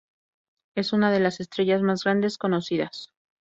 Es una de las estrellas más grandes conocidas.